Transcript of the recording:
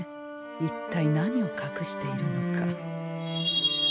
一体何をかくしているのか。